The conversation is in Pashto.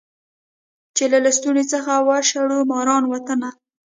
چي له لستوڼي څخه وشړو ماران وطنه